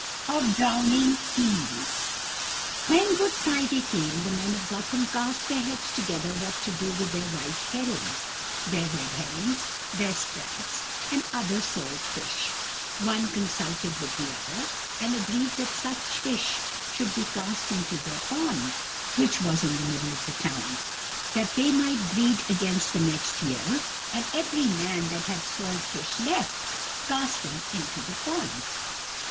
Of Drowning Eels When Good Friday came, the men of Gotham cast their heads together what to do with their white herrings, their red herrings, their sprats, and other salt fish. One consulted with the other, and agreed that such fish should be cast into their pond (which was in the middle of the town), that they might breed against the next year, and every man that had salt fish left cast them into the pool.